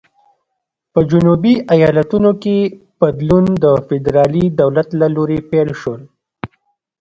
په جنوبي ایالتونو کې بدلون د فدرالي دولت له لوري پیل شول.